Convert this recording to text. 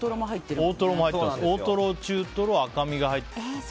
大トロ、中トロ、赤身が入って。